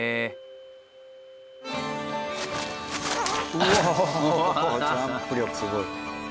うわジャンプ力すごい。